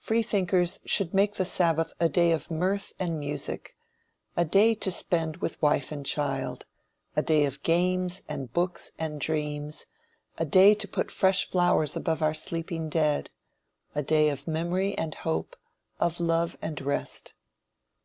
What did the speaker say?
Freethinkers should make the sabbath a day of mirth and music; a day to spend with wife and child a day of games, and books, and dreams a day to put fresh flowers above our sleeping dead a day of memory and hope, of love and rest.